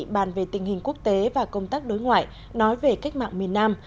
bàn về tình hình quốc tế và công tác đối ngoại nói về cách mạng miền nam